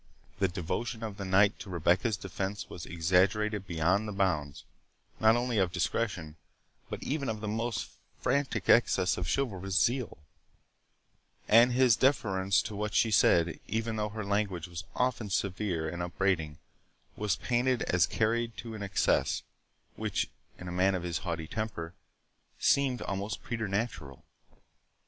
The devotion of the Knight to Rebecca's defence was exaggerated beyond the bounds, not only of discretion, but even of the most frantic excess of chivalrous zeal; and his deference to what she said, even although her language was often severe and upbraiding, was painted as carried to an excess, which, in a man of his haughty temper, seemed almost preternatural.